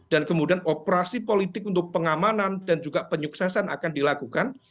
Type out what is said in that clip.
dan kemudian operasi politik untuk pengamanan dan juga penyuksesan akan dilakukan